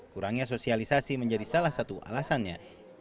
kurangnya sosialisasi menjadi salah satu alasannya